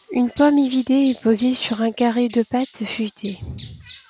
Une pomme évidée est posée sur un carré de pâte feuilletée.